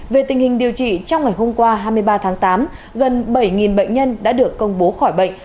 về tình hình điều trị trong ngày hôm qua hai mươi ba tháng tám gần bảy bệnh nhân đã được công bố khỏi bệnh